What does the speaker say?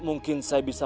pergi ke sana